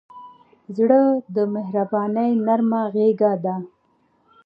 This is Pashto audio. زړه د مهربانۍ نرمه غېږه ده.